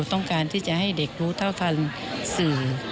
ต้องการที่จะให้เด็กรู้เท่าทันสื่อ